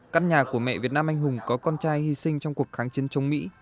căn nhà của mẹ việt nam anh hùng có con trai hy sinh trong cuộc kháng chiến chống mỹ